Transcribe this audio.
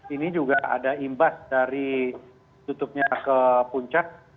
ini juga ada imbas dari tutupnya ke puncak